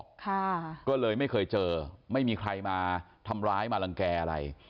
ค่ะก็เลยไม่เคยเจอไม่มีใครมาทำร้ายมารังแก่อะไร